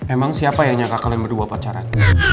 emang siapa yang nyangka kalian berdua pacaran